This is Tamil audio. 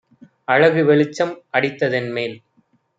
அழகு வெளிச்சம் அடித்த தென்மேல்